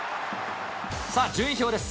さあ、順位表です。